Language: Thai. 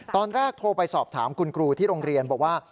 ตอนแรกโทรไปสอบถามคุณครูที่โรงเรียนบอกว่า